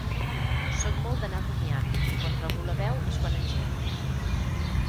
Sóc molt d’anar rumiant i quan trobo la veu és quan engego.